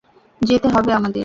যেতে হবে আমাদের।